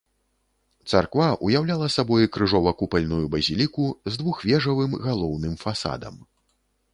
Царква уяўляла сабой крыжова-купальную базіліку з двухвежавым галоўным фасадам.